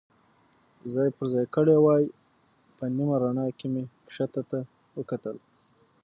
ځای پر ځای کړي وای، په نیمه رڼا کې مې کښته ته وکتل.